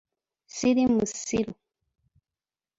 Siri musiru!